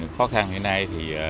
khó khăn hiện nay